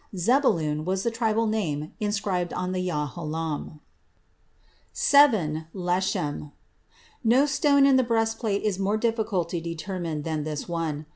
Zebulun was the tribal name inscribed on the yahalom. VII. Leshem. [לֶשֶׁם] No stone in the breastplate is more difficult to determine than this one.